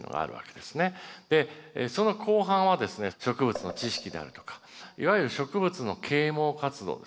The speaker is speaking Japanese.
その後半はですね植物の知識であるとかいわゆる植物の啓蒙活動ですよね。